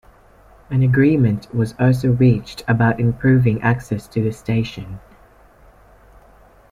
An agreement was also reached about improving access to the station.